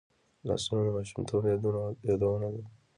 لاسونه د ماشومتوب یادونه ده